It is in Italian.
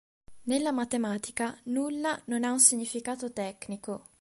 Nella matematica, "nulla" non ha un significato tecnico.